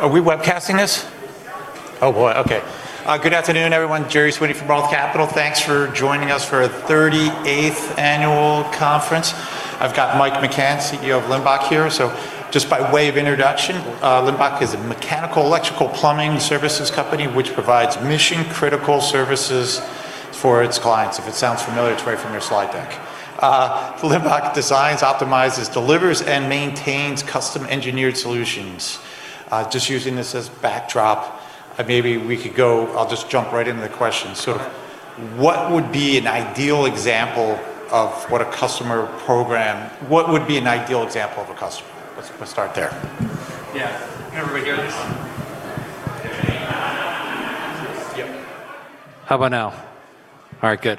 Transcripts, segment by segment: Good afternoon, everyone. Gerry Sweeney from ROTH Capital Partners. Thanks for joining us for our 38th annual conference. I've got Mike McCann, CEO of Limbach here. Just by way of introduction, Limbach is a mechanical, electrical, and plumbing services company which provides mission-critical services for its clients. If it sounds familiar, it's right from your slide deck. Limbach designs, optimizes, delivers, and maintains custom-engineered solutions. Just using this as backdrop, I'll just jump right into the questions. Okay. What would be an ideal example of a customer? Let's start there. All right, good.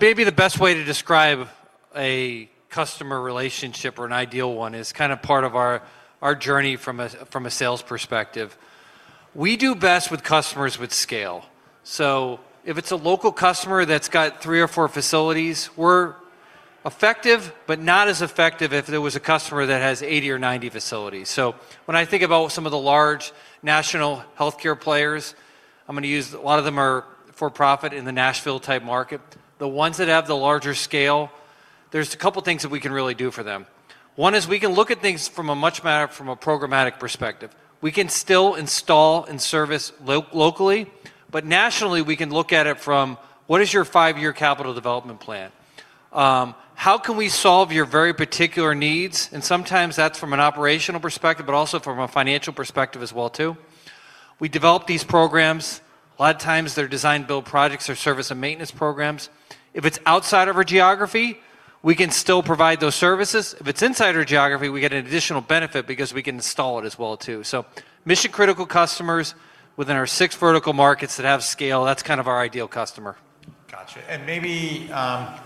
Maybe the best way to describe a customer relationship or an ideal one is part of our journey from a sales perspective. We do best with customers with scale. If it's a local customer that's got three or four facilities, we're effective, but not as effective if there was a customer that has 80 or 90 facilities. When I think about some of the large national healthcare players, I'm going to use, a lot of them are for-profit in the Nashville-type market. The ones that have the larger scale, there's a couple of things that we can really do for them. One is we can look at things from a more programmatic perspective. We can still install and service locally, but nationally, we can look at it from what is your five-year capital development plan? How can we solve your very particular needs? Sometimes that's from an operational perspective, but also from a financial perspective as well too. We develop these programs. A lot of times, they're design-build projects or service and maintenance programs. If it's outside of our geography, we can still provide those services. If it's inside our geography, we get an additional benefit because we can install it as well too. Mission-critical customers within our six vertical markets that have scale, that's our ideal customer. I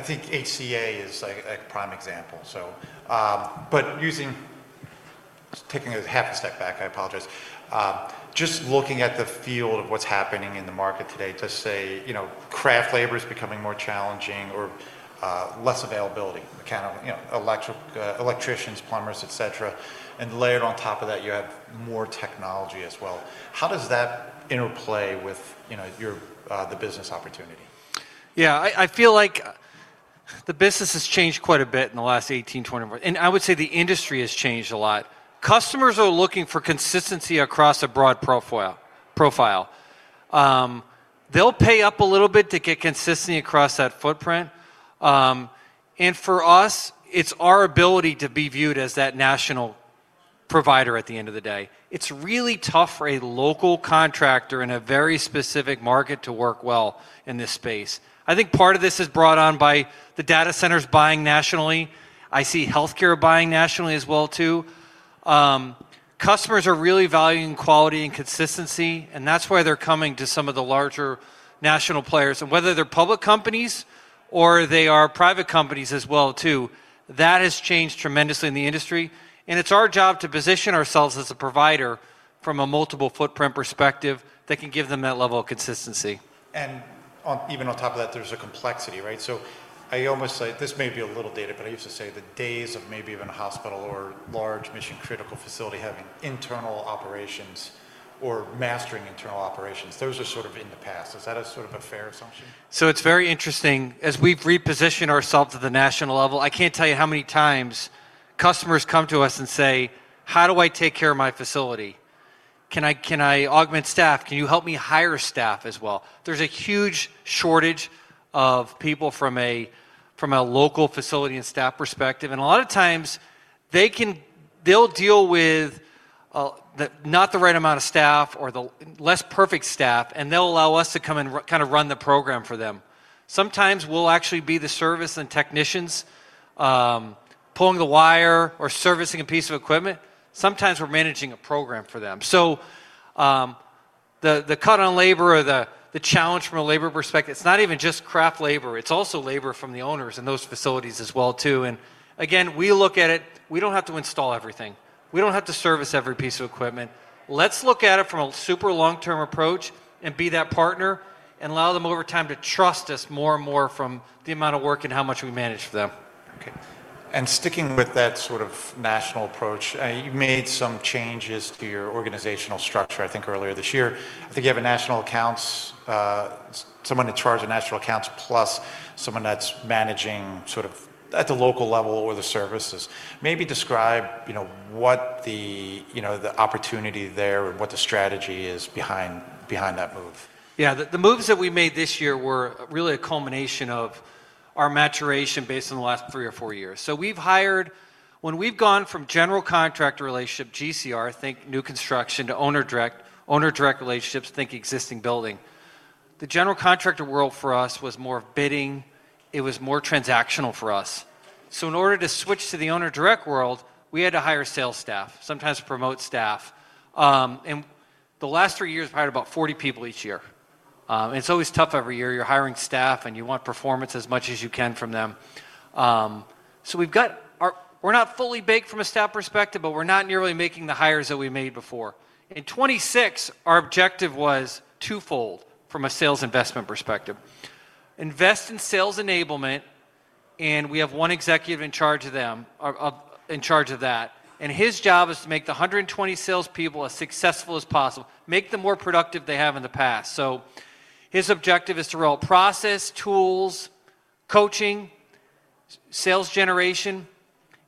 think HCA is a prime example. Just taking a half a step back, I apologize. Just looking at the field of what's happening in the market today to say, craft labor is becoming more challenging or less availability, mechanical, electricians, plumbers, etc., and layered on top of that, you have more technology as well. How does that interplay with the business opportunity? I feel like the business has changed quite a bit in the last 18, 24, and I would say the industry has changed a lot. Customers are looking for consistency across a broad profile. They'll pay up a little bit to get consistency across that footprint. For us, it's our ability to be viewed as that national provider at the end of the day. It's really tough for a local contractor in a very specific market to work well in this space. I think part of this is brought on by the data centers buying nationally. I see healthcare buying nationally as well too. Customers are really valuing quality and consistency, and that's why they're coming to some of the larger national players. Whether they're public companies or they are private companies as well too, that has changed tremendously in the industry, and it's our job to position ourselves as a provider from a multiple footprint perspective that can give them that level of consistency. Even on top of that, there's a complexity. I almost say this may be a little dated, but I used to say the days of maybe even a hospital or large mission-critical facility having internal operations or mastering internal operations, those are in the past. Is that a fair assumption? It's very interesting. As we've repositioned ourselves at the national level, I can't tell you how many times customers come to us and say, "How do I take care of my facility? Can I augment staff? Can you help me hire staff as well?" There's a huge shortage of people from a local facility and staff perspective, and a lot of times they'll deal with not the right amount of staff or the less perfect staff, and they'll allow us to come and run the program for them. Sometimes we'll actually be the service and technicians pulling the wire or servicing a piece of equipment. Sometimes we're managing a program for them. The cut on labor or the challenge from a labor perspective, it's not even just craft labor, it's also labor from the owners in those facilities as well too. Again, we look at it, we don't have to install everything. We don't have to service every piece of equipment. Let's look at it from a super long-term approach and be that partner and allow them over time to trust us more and more from the amount of work and how much we manage for them. Sticking with that national approach, you made some changes to your organizational structure, I think, earlier this year. I think you have someone in charge of national accounts, plus someone that's managing at the local level or the services. Maybe describe what the opportunity there and what the strategy is behind that move. The moves that we made this year were really a culmination of our maturation based on the last three or four years. When we've gone from general contractor relationship, GCR, think new construction, to owner direct relationships, think existing building, the general contractor world for us was more of bidding. It was more transactional for us. In order to switch to the owner direct world, we had to hire sales staff, sometimes promote staff. The last three years, we've hired about 40 people each year. It's always tough every year. You're hiring staff, and you want performance as much as you can from them. We're not fully baked from a staff perspective, but we're not nearly making the hires that we made before. In 2026, our objective was twofold from a sales investment perspective: invest in sales enablement. We have one executive in charge of that, and his job is to make the 120 salespeople as successful as possible, make them more productive they have in the past. His objective is to roll process tools, coaching, sales generation,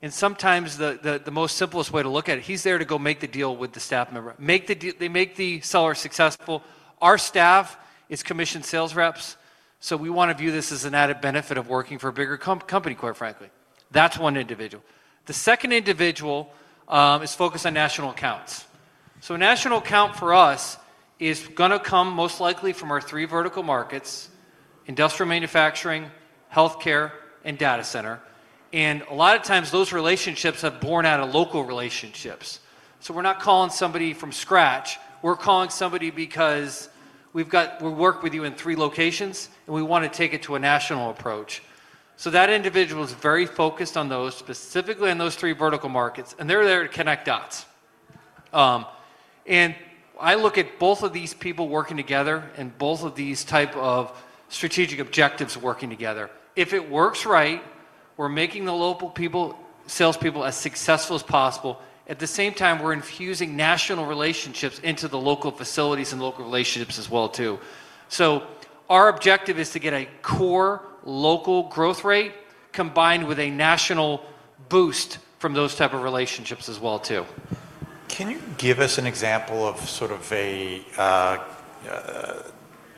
and sometimes the most simplest way to look at it, he's there to go make the deal with the staff member. They make the seller successful. Our staff is commissioned sales reps, so we want to view this as an added benefit of working for a bigger company, quite frankly. That's one individual. The second individual is focused on national accounts. A national account for us is going to come most likely from our three vertical markets, industrial manufacturing, healthcare, and data center, and a lot of times those relationships have borne out of local relationships. We're not calling somebody from scratch. We're calling somebody because we work with you in three locations, and we want to take it to a national approach. That individual is very focused on those, specifically in those three vertical markets, and they're there to connect dots. I look at both of these people working together and both of these type of strategic objectives working together. If it works right, we're making the local people, salespeople as successful as possible. At the same time, we're infusing national relationships into the local facilities and local relationships as well too. Our objective is to get a core local growth rate combined with a national boost from those type of relationships as well too. Can you give us an example of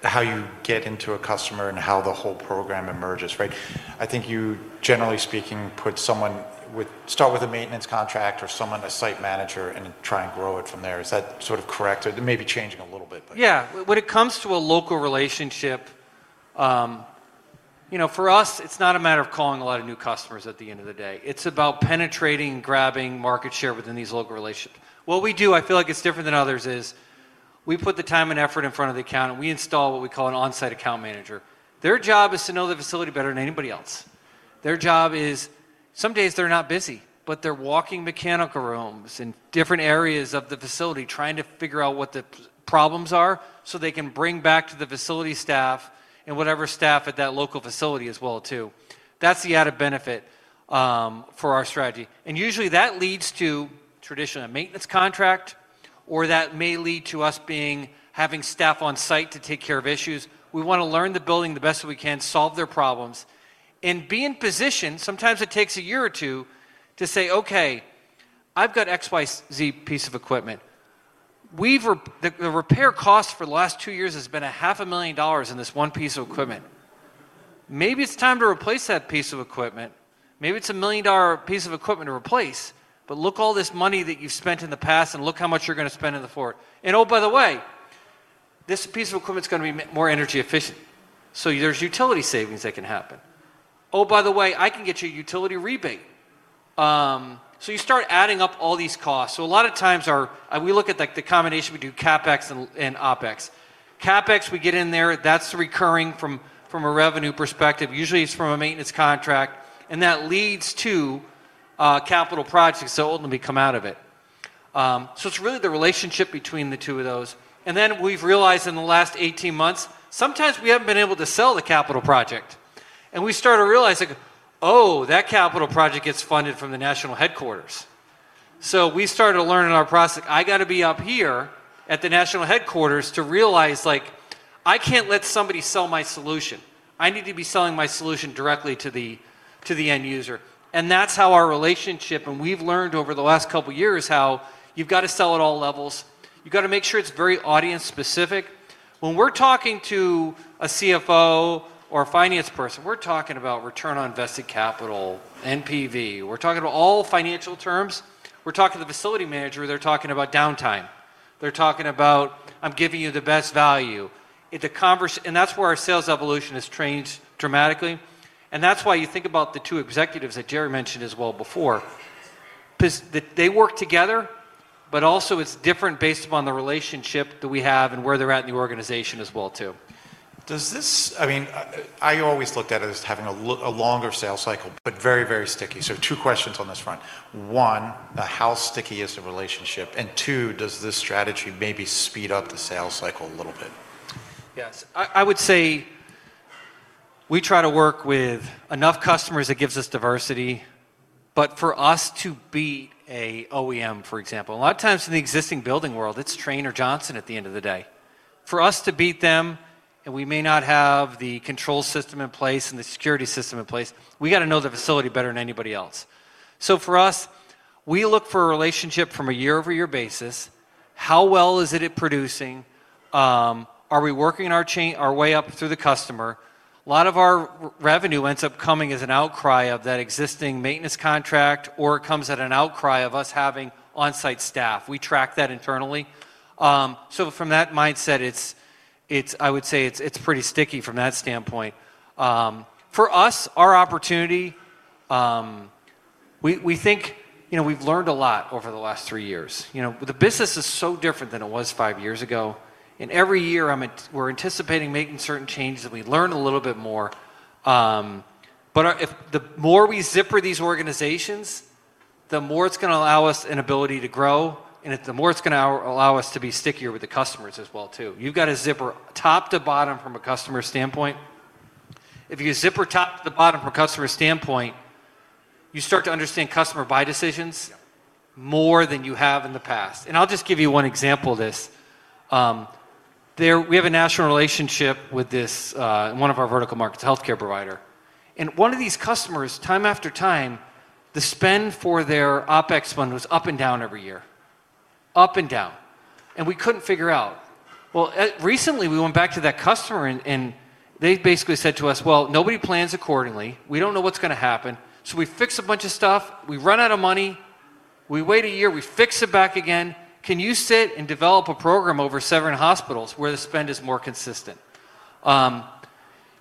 how you get into a customer and how the whole program emerges? I think you, generally speaking, start with a maintenance contract or someone, a site manager, and try and grow it from there. Is that correct? It may be changing a little bit. Yes. When it comes to a local relationship, for us, it's not a matter of calling a lot of new customers at the end of the day. It's about penetrating and grabbing market share within these local relationships. What we do, I feel like it's different than others, is we put the time and effort in front of the account, and we install what we call an on-site account manager. Their job is to know the facility better than anybody else. Their job is, some days they're not busy, but they're walking mechanical rooms in different areas of the facility trying to figure out what the problems are so they can bring back to the facility staff and whatever staff at that local facility as well too. That's the added benefit for our strategy. Usually, that leads to traditionally a maintenance contract, or that may lead to us being, having staff on-site to take care of issues. We want to learn the building the best that we can solve their problems, and be in position. Sometimes it takes a year or two to say, "Okay, I've got XYZ piece of equipment. The repair cost for the last two years has been half a million dollars in this one piece of equipment. Maybe it's time to replace that piece of equipment. Maybe it's a million-dollar piece of equipment to replace, but look at all this money that you've spent in the past and look how much you're going to spend in the future. By the way, this piece of equipment is going to be more energy efficient. There's utility savings that can happen. By the way, I can get you a utility rebate." You start adding up all these costs. A lot of times we look at like the combination, we do CapEx and OpEx. CapEx, we get in there. That's the recurring from a revenue perspective. Usually, it's from a maintenance contract, and that leads to capital projects. Ultimately come out of it. It's really the relationship between the two of those. We've realized in the last 18 months, sometimes we haven't been able to sell the capital project, and we started realizing, "That capital project gets funded from the national headquarters." We started learning our process. I gotta be up here at the national headquarters to realize, I can't let somebody sell my solution. I need to be selling my solution directly to the end user. That's how our relationship, and we've learned over the last couple of years how you've got to sell at all levels. You've got to make sure it's very audience-specific. When we're talking to a CFO or a finance person, we're talking about return on invested capital, NPV. We're talking about all financial terms. We're talking to the facility manager, they're talking about downtime. They're talking about, "I'm giving you the best value." That's where our sales evolution has changed dramatically, and that's why you think about the two executives that Gerry mentioned as well before because they work together, but also it's different based upon the relationship that we have and where they're at in the organization as well too. I always looked at it as having a longer sales cycle, but very, very sticky. Two questions on this front. One, how sticky is the relationship? Two, does this strategy maybe speed up the sales cycle a little bit? Yes. I would say we try to work with enough customers that gives us diversity. For us to be an OEM, for example, a lot of times in the existing building world, it's Trane or Johnson at the end of the day. For us to beat them, and we may not have the control system in place and the security system in place, we got to know the facility better than anybody else. For us, we look for a relationship from a year-over-year basis. How well is it at producing? Are we working our way up through the customer? A lot of our revenue ends up coming as an outgrowth of that existing maintenance contract, or it comes as an outgrowth of us having on-site staff. We track that internally. From that mindset, it's pretty sticky from that standpoint. For us, our opportunity, we think we've learned a lot over the last three years. The business is so different than it was five years ago. Every year, we're anticipating making certain changes, and we learn a little bit more. The more we zipper these organizations, the more it's going to allow us an ability to grow, and the more it's going to allow us to be stickier with the customers as well too. You've got to zipper top to bottom from a customer standpoint. If you zipper top to bottom from a customer standpoint, you start to understand customer buy decisions more than you have in the past. Yes. I'll just give you one example of this. We have a national relationship with one of our vertical markets healthcare provider. One of these customers, time after time, the spend for their OpEx fund was up and down every year, up and down, and we couldn't figure out. Well, recently we went back to that customer and they basically said to us, "Well, nobody plans accordingly. We don't know what's going to happen. We fix a bunch of stuff. We run out of money. We wait a year. We fix it back again. Can you sit and develop a program over seven hospitals where the spend is more consistent?"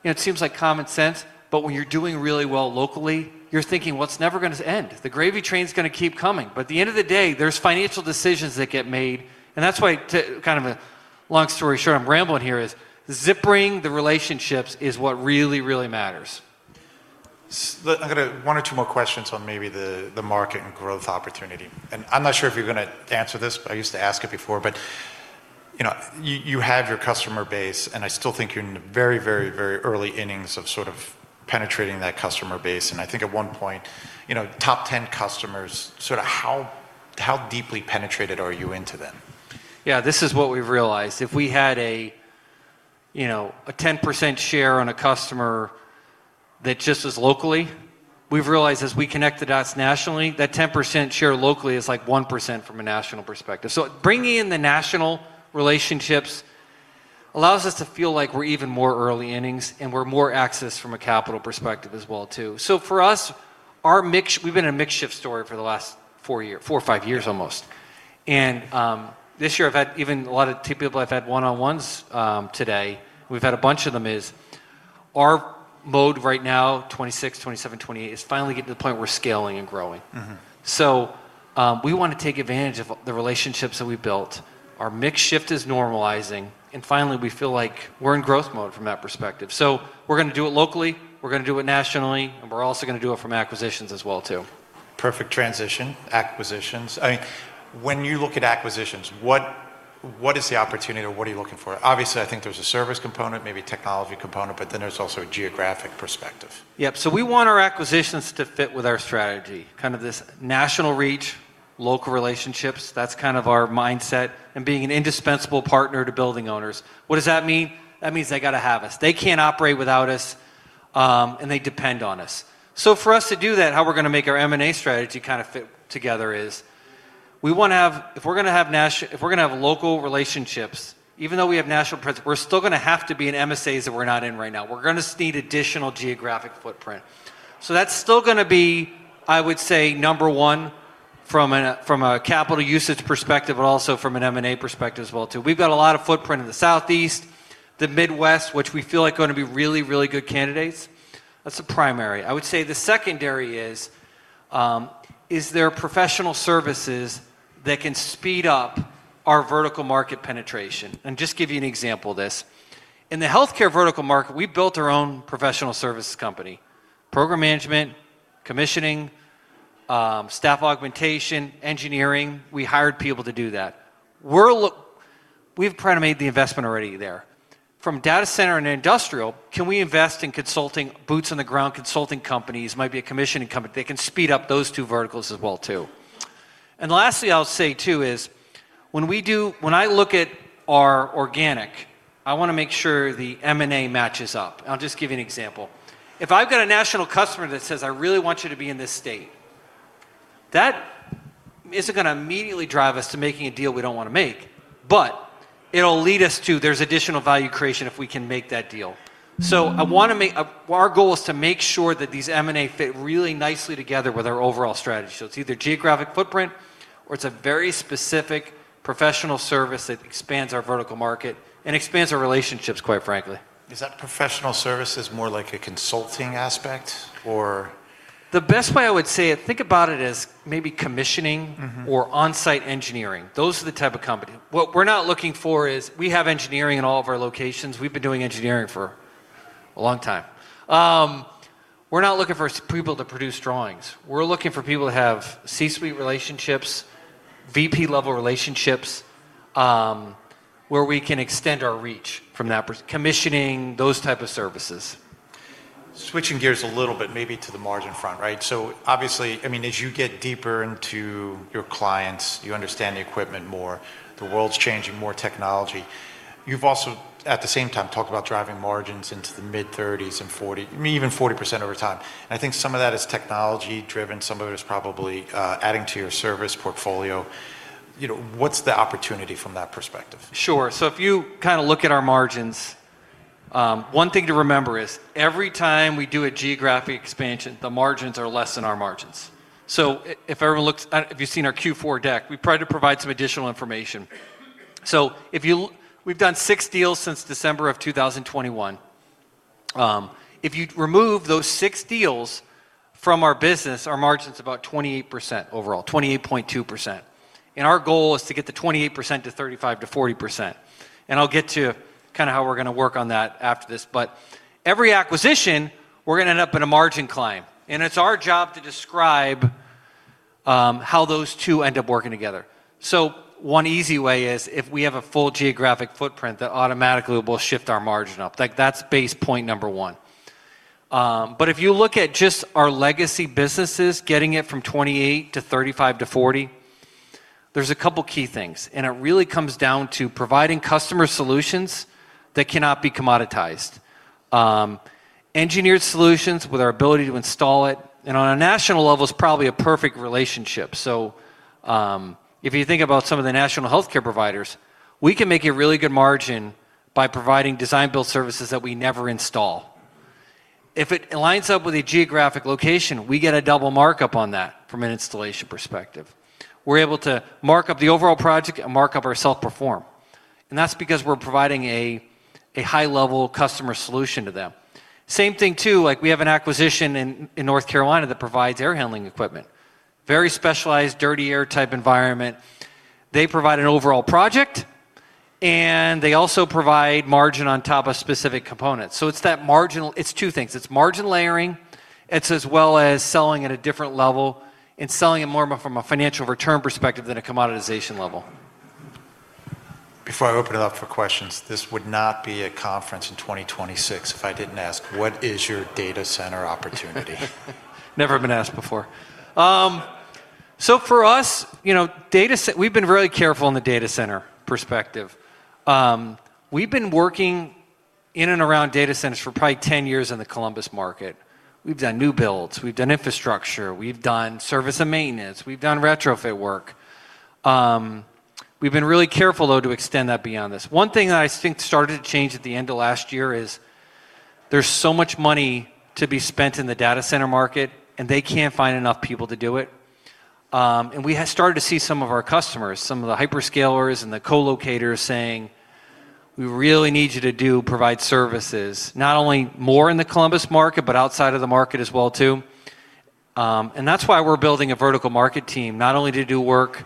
It seems like common sense, but when you're doing really well locally, you're thinking, "Well, it's never going to end. The gravy train's going to keep coming." At the end of the day, there's financial decisions that get made, and that's why kind of a long story short, I'm rambling here is, zippering the relationships is what really, really matters. I've got one or two more questions on maybe the market and growth opportunity. I'm not sure if you're going answer this, but I used to ask it before. You have your customer base, and I still think you're in the very, very, very early innings of penetrating that customer base. I think at one point, top 10 customers, how deeply penetrated are you into them? This is what we've realized. If we had a 10% share on a customer that just is locally, we've realized as we connect the dots nationally, that 10% share locally is like 1% from a national perspective. Bringing in the national relationships allows us to feel like we're even more early innings, and we're more accessed from a capital perspective as well too. For us, we've been a mixshift story for the last four or five years almost. This year I've had even a lot of people I've had one-on-ones today. We've had a bunch of them, is our mode right now, 2026, 2027, 2028, is finally getting to the point where we're scaling and growing. We want to take advantage of the relationships that we've built. Our mixshift is normalizing, and finally, we feel like we're in growth mode from that perspective. We're going to do it locally, we're going to do it nationally, and we're also going to do it from acquisitions as well too. Perfect acquisitions. When you look at acquisitions, what is the opportunity or what are you looking for? Obviously, I think there's a service component, maybe a technology component, but then there's also a geographic perspective. Yes. We want our acquisitions to fit with our strategy, this national reach local relationships. That's our mindset, and being an indispensable partner to building owners. What does that mean? That means they got to have us. They can't operate without us, and they depend on us. For us to do that, how we're going to make our M&A strategy fit together is, if we're going to have local relationships, even though we have national presence, we're still going to have to be in MSAs that we're not in right now. We're going to need additional geographic footprint. That's still going to be, I would say, number one from a capital usage perspective, but also from an M&A perspective as well too. We've got a lot of footprint in the Southeast, the Midwest, which we feel like are going to be really, really good candidates. That's the primary. I would say the secondary is there are professional services that can speed up our vertical market penetration. Just give you an example of this. In the healthcare vertical market, we built our own professional services company. Program management, commissioning, staff augmentation, and engineering. We hired people to do that. We've made the investment already there. From data center and industrial, can we invest in consulting, boots on the ground consulting companies, might be a commissioning company, that can speed up those two verticals as well too. Lastly, I'll say too is, when I look at our organic, I want to make sure the M&A matches up. I'll just give you an example. If I've got a national customer that says, "I really want you to be in this state," that isn't going to immediately drive us to making a deal we don't want to make, but it'll lead us to there's additional value creation if we can make that deal. Our goal is to make sure that these M&A fit really nicely together with our overall strategy. It's either geographic footprint or it's a very specific professional service that expands our vertical market and expands our relationships, quite frankly. Is that professional services more like a consulting aspect or? The best way I would say it, think about it as maybe commissioning or on-site engineering. Those are the type of companies. What we're not looking for is, we have engineering in all of our locations. We've been doing engineering for a long time. We're not looking for people to produce drawings. We're looking for people to have C-suite relationships, VP-level relationships, where we can extend our reach from commissioning, and those type of services. Switching gears a little bit, maybe to the margin front. Obviously, as you get deeper into your clients, you understand the equipment more, the world's changing, more technology. You've also, at the same time, talked about driving margins into the mid-30s and 40, maybe even 40% over time. I think some of that is technology-driven, some of it is probably adding to your service portfolio. What's the opportunity from that perspective? Sure. If you look at our margins, one thing to remember is every time we do a geographic expansion, the margins are less than our margins. If you've seen our Q4 deck, we probably provide some additional information. We've done six deals since December 2021. If you'd remove those six deals from our business, our margin's about 28% overall, 28.2%, and our goal is to get the 28% to 35% to 40%. I'll get to how we're going to work on that after this. Every acquisition, we're going to end up in a margin climb, and it's our job to describe how those two end up working together. One easy way is if we have a full geographic footprint, that automatically will shift our margin up. That's base point number one, but if you look at just our legacy businesses, getting it from 28% to 35% to 40%, there's a couple of key things, and it really comes down to providing customer solutions that cannot be commoditized, engineered solutions with our ability to install it. On a national level, it's probably a perfect relationship. If you think about some of the national healthcare providers, we can make a really good margin by providing design-build services that we never install. If it lines up with a geographic location, we get a double markup on that from an installation perspective. We're able to mark up the overall project and mark up our self-perform, and that's because we're providing a high-level customer solution to them. Same thing too, we have an acquisition in North Carolina that provides air handling equipment. Very specialized, dirty air-type environment. They provide an overall project, and they also provide margin on top of specific components. It's two things. It's margin layering. It's as well as selling at a different level and selling it more from a financial return perspective than a commoditization level. Before I open it up for questions, this would not be a conference in 2026 if I didn't ask, what is your data center opportunity? Never been asked before. For us, we've been really careful in the data center perspective. We've been working in and around data centers for probably 10 years in the Columbus market. We've done new builds. We've done infrastructure. We've done service and maintenance. We've done retrofit work. We've been really careful, though, to extend that beyond this. One thing I think started to change at the end of last year is there's so much money to be spent in the data center market, and they can't find enough people to do it. We had started to see some of our customers, some of the hyperscalers and the co-locators saying, "We really need you to do, provide services, not only more in the Columbus market, but outside of the market as well too." That's why we're building a vertical market team, not only to do work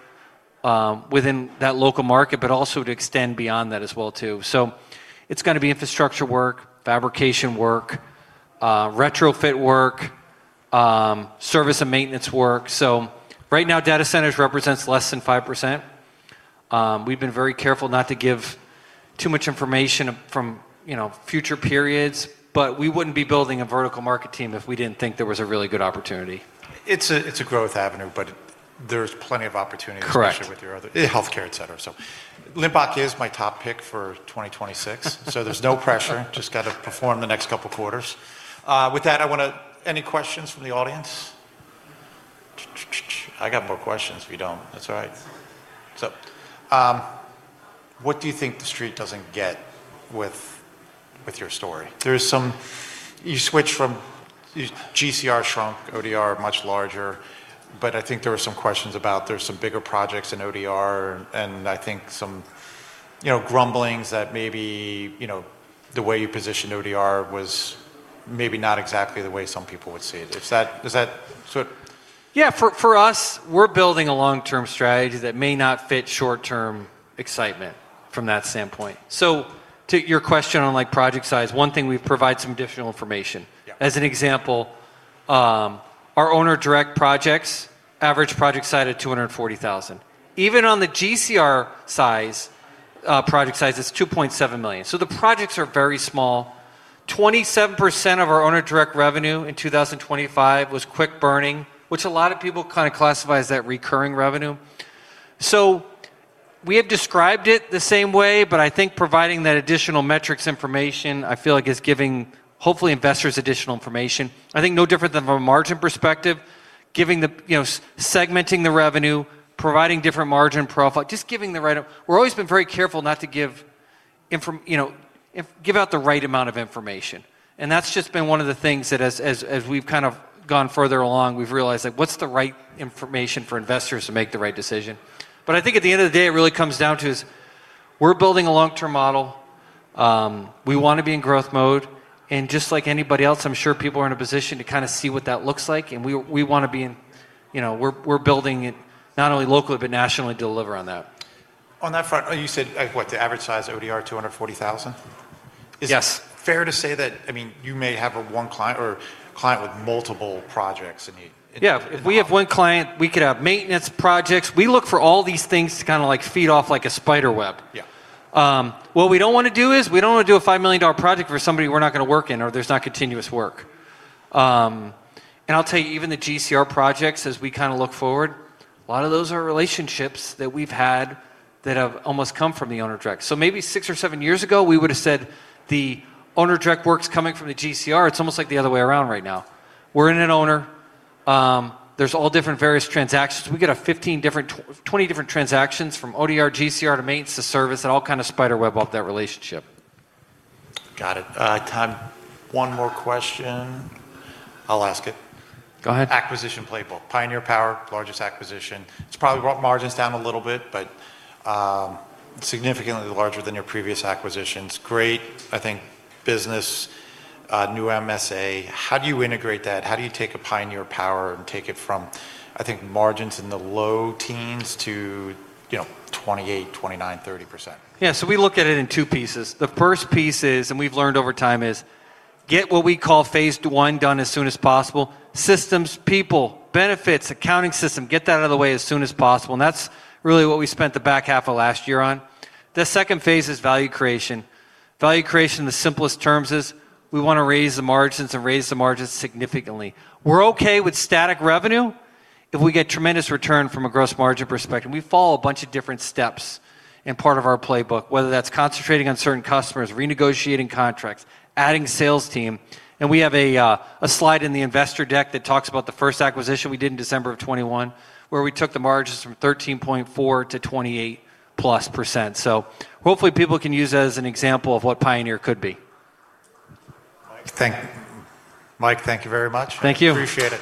within that local market, but also to extend beyond that as well too. It's going to be infrastructure work, fabrication work, retrofit work, service and maintenance work. Right now, data centers represents less than 5%. We've been very careful not to give too much information from future periods, but we wouldn't be building a vertical market team if we didn't think there was a really good opportunity. It's a growth avenue, but there's plenty of opportunity. Correct. Especially with your other healthcare, etc. Limbach is my top pick for 2026. There's no pressure. Just got to perform the next couple quarters. With that, any questions from the audience? I got more questions if you don't. That's all right. What do you think the street doesn't get with your story? You switch from GCR shrunk, ODR much larger, but I think there were some questions about some bigger projects in ODR and I think some grumblings that maybe the way you positioned ODR was maybe not exactly the way some people would see it. Yes. For us, we're building a long-term strategy that may not fit short-term excitement from that standpoint. To your question on project size, one thing we provide some additional information. Yes. As an example, our owner direct projects average project size at $240,000. Even on the GCR size, project size, it's $2.7 million. The projects are very small. 27% of our owner direct revenue in 2025 was quick burning, which a lot of people classify as that recurring revenue. We have described it the same way, but I think providing that additional metrics information, I feel like is giving, hopefully, investors additional information. I think no different than from a margin perspective, segmenting the revenue, providing different margin profile, just giving the right amount. We're always been very careful not to give out the right amount of information, and that's just been one of the things that as we've gone further along, we've realized, what's the right information for investors to make the right decision? But I think at the end of the day, it really comes down to is we're building a long-term model. We want to be in growth mode. Just like anybody else, I'm sure people are in a position to see what that looks like, and we're building it not only locally, but nationally to deliver on that. On that front, you said what's the average size ODR? $240,000? Yes. Is it fair to say that you may have one client with multiple projects. Yes. If we have one client, we could have maintenance projects. We look for all these things to feed off like a spider web. Yes. What we don't want to do is we don't want to do a $5 million project for somebody we're not going to work with or there's not continuous work. I'll tell you, even the GCR projects, as we look forward, a lot of those are relationships that we've had that have almost come from the owner direct. Maybe six or seven years ago, we would've said the owner direct work's coming from the GCR. It's almost like the other way around right now. We're in an owner. There's all different various transactions. We get 15 different, 20 different transactions from ODR, GCR, to maintenance to service that all kinda spider web off that relationship. Got it. Time for one more question. I'll ask it. Go ahead. Acquisition playbook. Pioneer Power, largest acquisition. It's probably brought margins down a little bit, but significantly larger than your previous acquisitions. Great, I think business, new MSA. How do you integrate that? How do you take a Pioneer Power and take it from, I think margins in the low teens to, you know, 28, 29, 30%? We look at it in two pieces. The first piece is, and we've learned over time, is get what we call phase one done as soon as possible. Systems, people, benefits, accounting system, get that out of the way as soon as possible, and that's really what we spent the back half of last year on. The second phase is value creation. Value creation in the simplest terms is we want to raise the margins and raise the margins significantly. We're okay with static revenue if we get tremendous return from a gross margin perspective. We follow a bunch of different steps in part of our playbook, whether that's concentrating on certain customers, renegotiating contracts, adding sales team. We have a slide in the investor deck that talks about the first acquisition we did in December 2021, where we took the margins from 13.4% to 28%+. Hopefully people can use that as an example of what Pioneer could be. Mike, thank you very much. Thank you. Appreciate it.